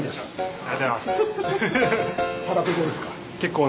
ありがとうございます。